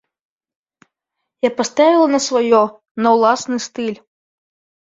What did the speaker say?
Я паставіла на сваё, на ўласны стыль.